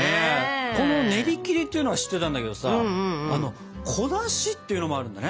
このねりきりっていうのは知ってたんだけどさ「こなし」っていうのもあるんだね。